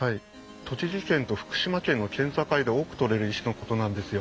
栃木県と福島県の県境で多く採れる石のことなんですよ。